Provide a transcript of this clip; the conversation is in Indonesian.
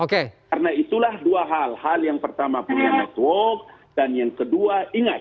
karena itulah dua hal hal yang pertama punya network dan yang kedua ingat